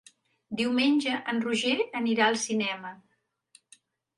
Diumenge en Roger anirà al cinema.